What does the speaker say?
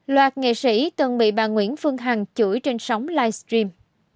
loạt nghệ sĩ từng bị bà nguyễn phương hằng chửi trên sóng livestream